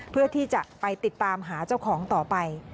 เพื่อที่จะไปติดตามหาเจ้าของต่อไป